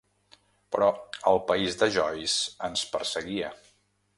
Però el país de Joyce ens perseguia.